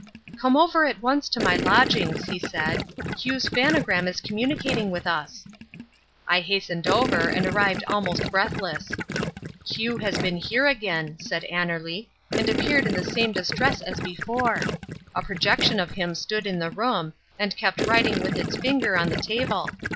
"Come over at once to my lodgings," he said. "Q's phanogram is communicating with us." I hastened over, and arrived almost breathless. "Q has been here again," said Annerly, "and appeared in the same distress as before. A projection of him stood in the room, and kept writing with its finger on the table.